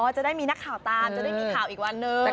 จะได้มีนักข่าวตามจะได้มีข่าวอีกวันหนึ่ง